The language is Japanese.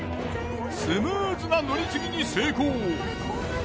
スムーズな乗り継ぎに成功。